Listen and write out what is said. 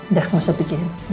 udah gak usah pikirin